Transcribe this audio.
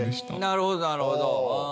なるほどなるほど。